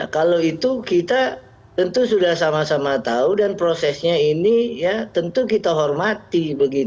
kalau itu kita tentu sudah sama sama tahu dan prosesnya ini ya tentu kita hormati